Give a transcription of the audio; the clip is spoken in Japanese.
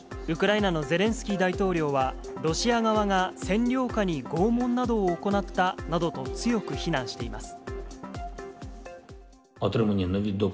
ウクライナのゼレンスキー大統領は、ロシア側が占領下に拷問などを行ったなどと強く非難しています。